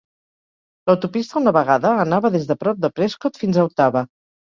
L'autopista una vegada anava des de prop de Prescott fins a Ottawa.